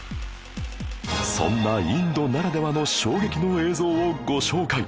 そんなインドならではの衝撃の映像をご紹介